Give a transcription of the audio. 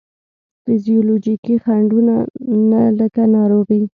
فزیولوجیکي خنډو نه لکه ناروغي،